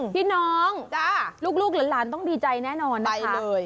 พี่น้องลูกหลานต้องดีใจแน่นอนไปเลย